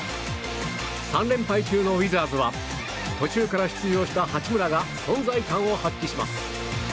３連敗中のウィザーズは途中から出場した八村が存在感を発揮します。